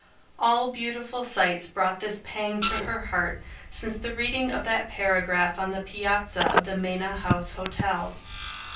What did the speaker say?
All beautiful sights brought this pang to her heart since the reading of that paragraph on the piazza of the Mena House Hotel.